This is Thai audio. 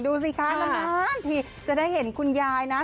ดูสิคะนานทีจะได้เห็นคุณยายนะ